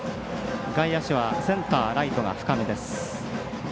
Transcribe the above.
外野手はセンター、ライトが深め。